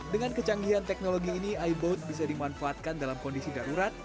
dengan kecanggihan teknologi ini iboat bisa dimanfaatkan dalam kondisi darurat